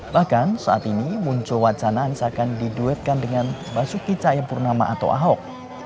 bahkan saat ini muncul wacana misalkan diduetkan dengan basuki cahayapurnama atau ahok